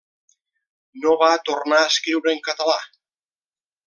No va tornar a escriure en català.